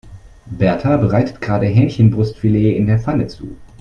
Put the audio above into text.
Berta bereitet gerade Hähnchenbrustfilet in der Pfanne zu.